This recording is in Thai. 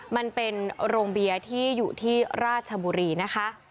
มันเป็นโรงเบียร์ที่อยู่ที่ราชบุรีนะคะ